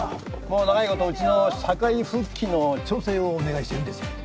もう長いことうちの社会復帰の調整をお願いしてるんですよ